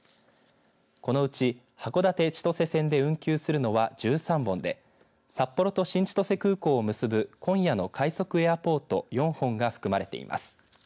このうち函館・千歳線で運休するのは１３本で札幌と新千歳空港を結ぶ今夜の快速エアポート４本が含まれています。